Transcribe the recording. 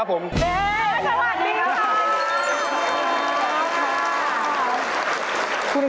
แต่พี่ดูไม่๕๐